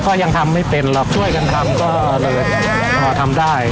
ก็ยังทำไม่เป็นหรอกช่วยกันทำก็เลยทำได้